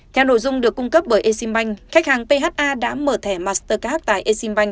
theo nội dung được cung cấp bởi eximbank khách hàng pha đã mở thẻ mastercard tại eximbank